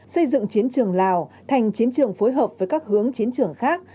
xây dựng chiến trường lào thành chiến trường phối hợp với các hướng chiến trường khác